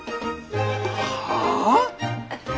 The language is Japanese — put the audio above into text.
はあ！？